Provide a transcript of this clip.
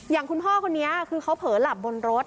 อย่างคุณพ่อคนนี้คือเขาเผลอหลับบนรถ